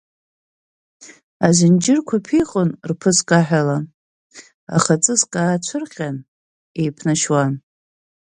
Азынџьырқәа ԥиҟон рԥыск аҳәала, аха ҵыск аацәырҟьан еиԥнашьуан.